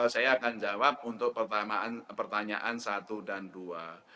saya akan jawab untuk pertanyaan satu dan dua